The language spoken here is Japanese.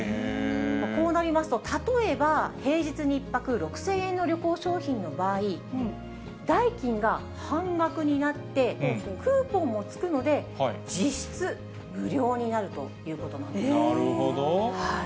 こうなりますと、例えば平日に１泊６０００円の旅行商品の場合、代金が半額になって、クーポンもつくので、実質無料になるということなんですね。